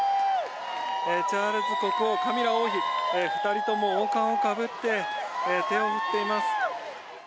チャールズ国王、カミラ王妃２人とも王冠をかぶって手を振っています。